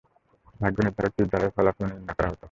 ভাগ্য নির্ধারক তীর দ্বারা এই ফলাফল নির্ণয় করা হত।